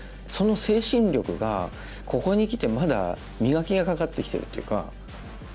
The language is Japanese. その精神力がここにきてまだ磨きがかかってきてるというか。